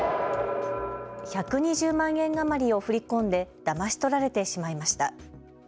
１２０万円余りを振り込んでだまし取られてしまいました。